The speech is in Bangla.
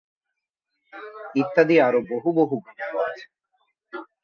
ইত্যাদি আরো বহু গ্রন্থ রয়েছে।